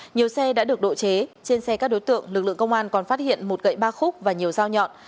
nhiều xe đã được độ chế trên xe các đối tượng lực lượng công an còn phát hiện một gậy ba khúc và nhiều dao nhọn